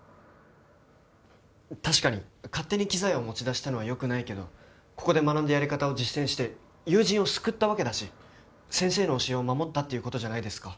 確かに勝手に機材を持ち出したのはよくないけどここで学んだやり方を実践して友人を救ったわけだし先生の教えを守ったっていうことじゃないですか？